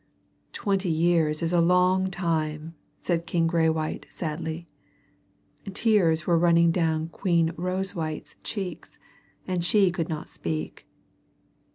"Twenty years is a long time," said King Graywhite sadly. Tears were running down Queen Rosewhite's cheeks and she could not speak.